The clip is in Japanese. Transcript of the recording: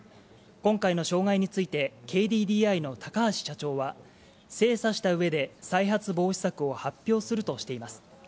今回の障害について、ＫＤＤＩの高橋社長は、精査したうえで再発防止策を発表するとしています。